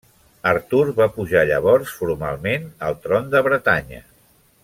Artur va pujar llavors formalment al tron de Bretanya.